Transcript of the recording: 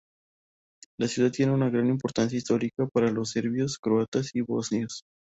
La ciudad tiene una gran importancia histórica para los serbios, croatas y bosnios.